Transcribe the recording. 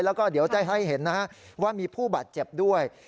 แล้วก็เดี๋ยวจะให้เห็นนะฮะว่ามีผู้บาดเจ็บด้วย